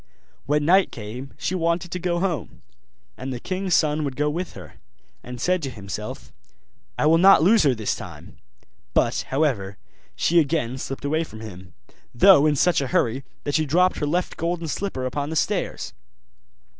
When night came she wanted to go home; and the king's son would go with her, and said to himself, 'I will not lose her this time'; but, however, she again slipped away from him, though in such a hurry that she dropped her left golden slipper upon the stairs.